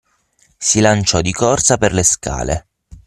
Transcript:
Si lanciò di corsa per le scale.